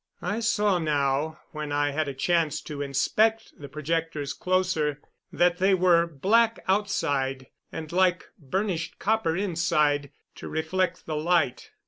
I saw now, when I had a chance to inspect the projectors closer, that they were black outside and like burnished copper inside, to reflect the light.